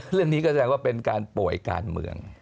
เรื่องนี้ก็แสดงว่าเป็นการป่วยการเมือง